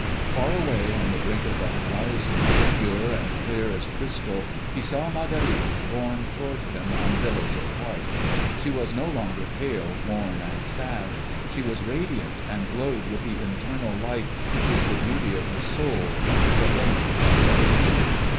Far away, on the brink of the horizon, pure and clear as crystal, he saw Marguerite borne toward him on billows of white. She was no longer pale, worn, and sad. She was radiant, and glowed with that internal light which is the beauty of the soul, and is alone imperishable.